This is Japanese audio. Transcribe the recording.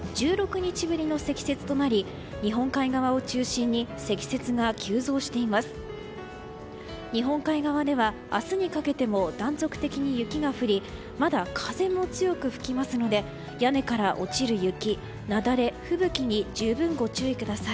日本海側では明日にかけても断続的に雪が降りまだ風も強く吹きますので屋根から落ちる雪雪崩、吹雪に十分ご注意ください。